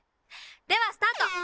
ではスタート！